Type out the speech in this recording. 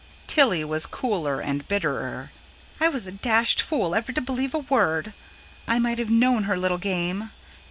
Tilly was cooler and bitterer. "I was a dashed fool ever to believe a word. I might have known her little game.